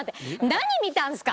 何見たんすか！？